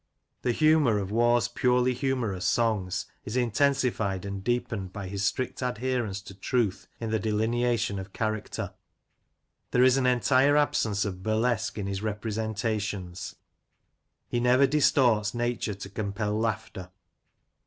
The humour of Waugh's purely humorous songs is in tensified and deepened by his strict adherence to truth in 36 Lancashire Characters and Places, the delineation of character. There is an entire absence of burlesque in his representations. He never distorts nature to compel laughter.